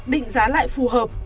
định giá lại phù hợp